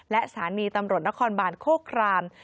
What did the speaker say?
และสถานีตำรวจนครบานโคคราม